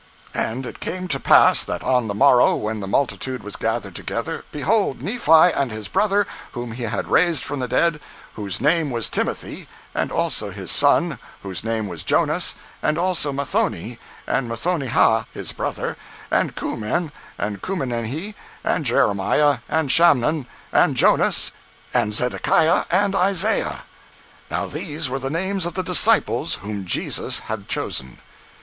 And it came to pass that on the morrow, when the multitude was gathered together, behold, Nephi and his brother whom he had raised from the dead, whose name was Timothy, and also his son, whose name was Jonas, and also Mathoni, and Mathonihah, his brother, and Kumen, and Kumenenhi, and Jeremiah, and Shemnon, and Jonas, and Zedekiah, and Isaiah; now these were the names of the disciples whom Jesus had chosen.